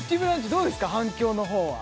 どうですか反響の方は？